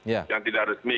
yang tidak resmi